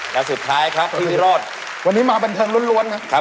แล้วสุดท้ายครับพี่พี่โรธวันนี้มาบันเทิงร้วนร้วนครับ